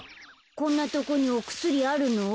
こんなとこにおくすりあるの？